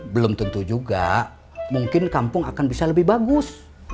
belum tentu juga mungkin kampung akan bisa lebih bagus